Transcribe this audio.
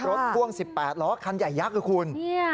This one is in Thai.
พ่วง๑๘ล้อคันใหญ่ยักษ์นะคุณ